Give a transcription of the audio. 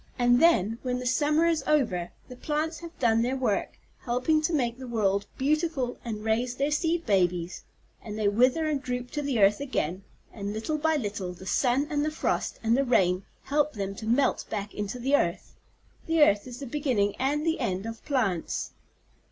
"And then, when the summer is over, the plants have done their work, helping to make the world beautiful and raise their seed babies, and they wither and droop to the earth again, and little by little the sun and the frost and the rain help them to melt back into the earth. The earth is the beginning and the end of plants."